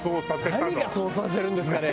何がそうさせるんですかね？